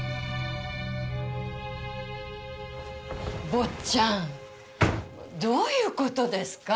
坊ちゃんどういう事ですか？